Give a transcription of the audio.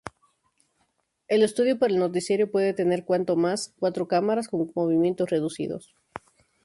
El estudio para el noticiero puede tener, cuanto más, cuatro cámaras con movimientos reducidos.